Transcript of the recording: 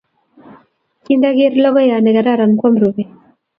Kindager logoyat ne kararan kwaman rubet.